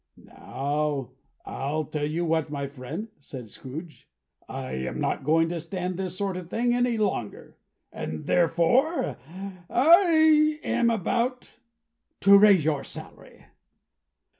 "Now, I'll tell you what, my friend," said Scrooge. "I am not going to stand this sort of thing any longer. And therefore I am about to raise your salary!"